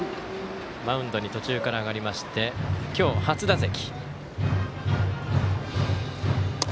マウンドに途中から上がりまして今日、初打席。